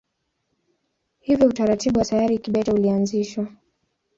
Hivyo utaratibu wa sayari kibete ulianzishwa.